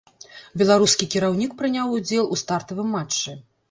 Беларускі кіраўнік прыняў удзел у стартавым матчы.